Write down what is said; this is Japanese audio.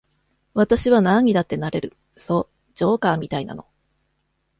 私はなんにだってなれる、そう、ジョーカーみたいなの。